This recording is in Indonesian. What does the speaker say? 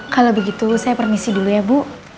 kalau begitu saya permisi dulu ya bu